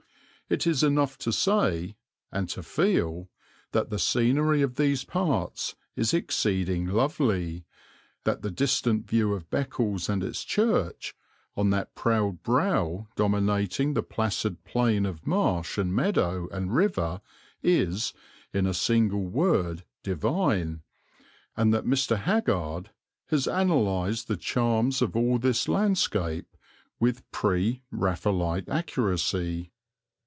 It is enough to say, and to feel, that the scenery of these parts is exceeding lovely, that the distant view of Beccles and its church, on that proud brow dominating the placid plain of marsh and meadow and river is, in a single word, divine, and that Mr. Haggard has analysed the charms of all this landscape with Pre Raphaelite accuracy.